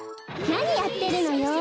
なにやってるのよ！